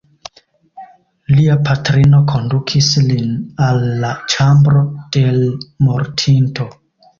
Lia patrino kondukis lin al la ĉambro de l' mortinto.